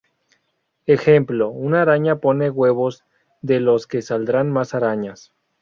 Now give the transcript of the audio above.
Ejemplo: una araña pone huevos de los que saldrán más arañas.